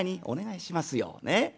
「お願いしますよね！